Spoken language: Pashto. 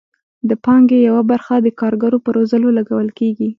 د پانګې یوه برخه د کارګرو په روزلو لګول کیږي.